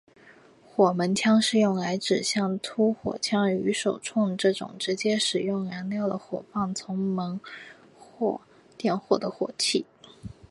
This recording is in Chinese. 火门枪是用来指像突火枪与手铳这种直接使用燃烧的火棒从火门点火的火器。